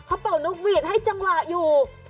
เขาเป่านกหวีดให้จังหวะอยู่